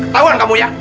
ketauan kamu ya